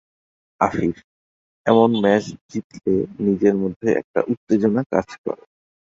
আফিফ: এমন ম্যাচ জিতলে নিজের মধ্যে একটা উত্তেজনা কাজ করে।